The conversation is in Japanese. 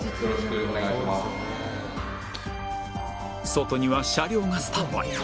外には車両がスタンバイ